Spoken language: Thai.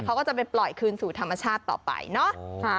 เขาก็จะไปปล่อยคืนสู่ธรรมชาติต่อไปเนาะ